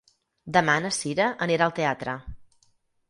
Demà na Sira anirà al teatre.